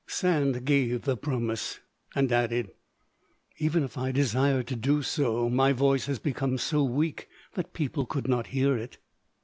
Sand gave the promise, and added, "Even if I desired to do so, my voice has become so weak that people could not hear it."